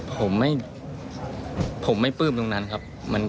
ผมไม่ปลื้มตรงนั้นครับ